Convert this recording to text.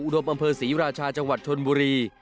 มอำเภอศรีราชาจังหวัดชนบุรี